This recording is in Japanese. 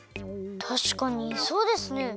たしかにそうですね。